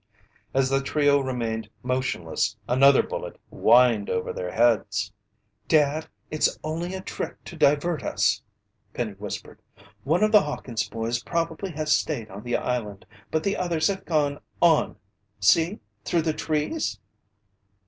As the trio remained motionless, another bullet whined over their heads. "Dad, it's only a trick to divert us!" Penny whispered. "One of the Hawkins' boys probably has stayed on the island, but the others have gone on! See through the trees!"